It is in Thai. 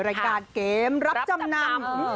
รายการเกมรับจำนำ